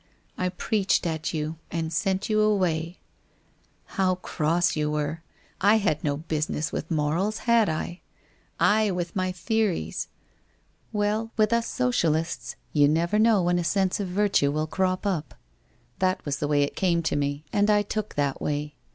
I preached at you and sent you away. How cross you WHITE ROSE OF WEARY LEAF 417 were! I had no business with moral?, had I ? I with my theories! "Well, with us Socialists, you never know when a sense of virtue will crop up. That was the way it came to me, and I took that way.